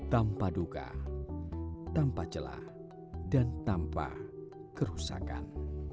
tanpa duka tanpa celah dan tanpa kerusakan